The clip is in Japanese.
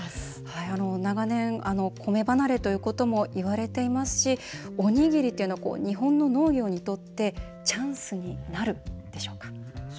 長年、コメ離れということもいわれていますしおにぎりというのは日本の農業にとってチャンスになるんでしょうか。